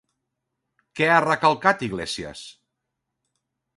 Què ha recalcat Iglesias?